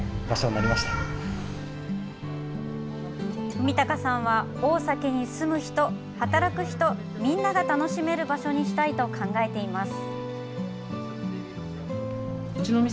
文隆さんは大崎に住む人、働く人みんなが楽しめる場所にしたいと考えています。